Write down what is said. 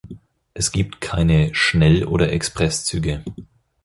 Es gibt keine Schnell- oder Expresszüge.